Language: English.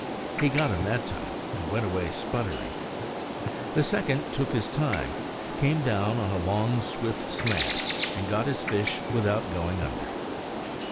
He got him that time and went away sputtering. The second took his time, came down on a long swift slant, and got his fish without going under.